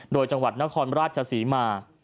โดยจังหวัดนครราชศรีมา